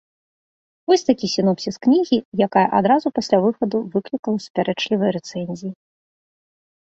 Вось такі сінопсіс кнігі, якая адразу пасля выхаду выклікала супярэчлівыя рэцэнзіі.